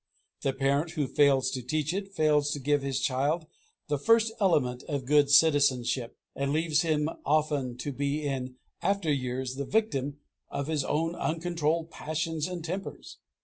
The parent who fails to teach it, fails to give his child the first element of good citizenship, and leaves him often to be in after years the victim of his own uncontrolled passions and tempers.